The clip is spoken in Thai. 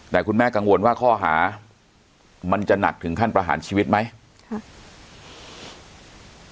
แต่คุณแม่กังวลว่าข้อหามันจะหนักถึงขั้นประหารชีวิตไหมค่ะ